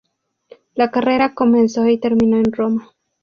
La carrera comenzó y terminó en Roma.